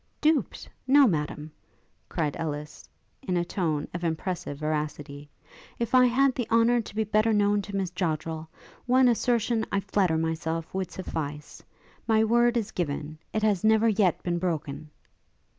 'Duped? no, Madam,' cried Ellis, in a tone impressive of veracity: 'if I had the honour to be better known to Miss Joddrel, one assertion, I flatter myself, would suffice: my word is given; it has never yet been broken!'